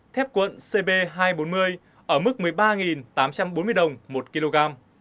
thép quận cb hai trăm bốn mươi ở mức một mươi ba tám trăm bốn mươi đồng một kg